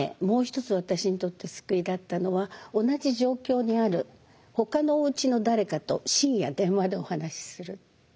もう一つ私にとって救いだったのは同じ状況にあるほかのおうちの誰かと深夜電話でお話しする。